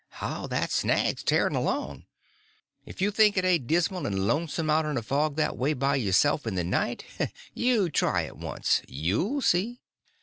how that snag's tearing along. If you think it ain't dismal and lonesome out in a fog that way by yourself in the night, you try it once—you'll see.